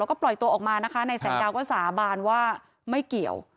แล้วก็ปล่อยตัวออกมานะคะนายแสงดาวก็สาบานว่าไม่เกี่ยว